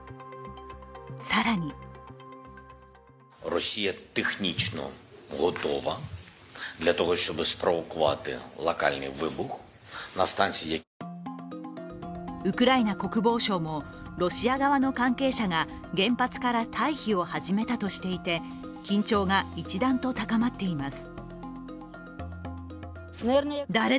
更にウクライナ国防省もロシア側の関係者が原発から退避を始めたとしていて緊張が一段と高まっています。